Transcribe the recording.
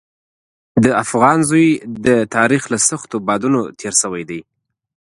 د افغان زوی د تاریخ له سختو بادونو تېر شوی دی.